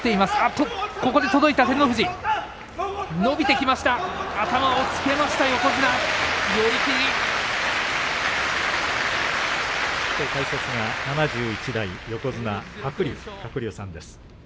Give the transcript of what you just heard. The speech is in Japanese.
きょうの解説は７１代横綱の鶴竜さんです。